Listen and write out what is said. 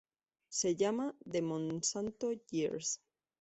Se llama "The Monsanto Years".